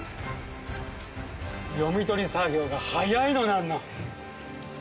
読み取り作業が速いのなんの。